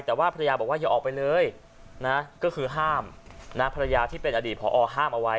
แต่ว่าภรรยาบอกว่าอย่าออกไปเลยนะก็คือห้ามนะภรรยาที่เป็นอดีตพอห้ามเอาไว้